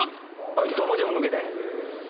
１文字も抜けてへん。